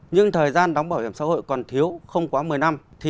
nhưng thời gian đóng bảo hiểm xã hội còn thiếu không quá một mươi năm